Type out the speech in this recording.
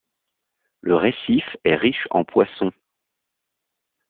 Le récif est riche en poissons.